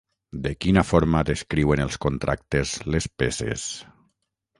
De quina forma descriuen els contractes les peces?